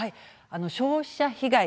消費者被害